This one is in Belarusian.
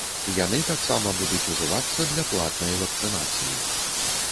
Яны таксама будуць ужывацца для платнай вакцынацыі.